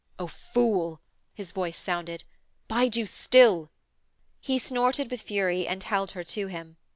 'Oh fool!' his voice sounded. 'Bide you still.' He snorted with fury and held her to him.